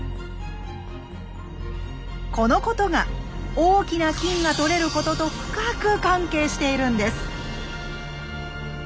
このことが大きな金が採れることと深く関係しているんです。